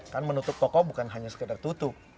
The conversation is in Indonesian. kan menutup toko bukan hanya sekedar tutup